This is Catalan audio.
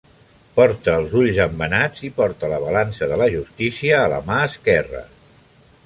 Porta els ulls embenats i porta la balança de la justícia a la mà esquerra.